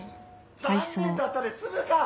残念だったで済むか！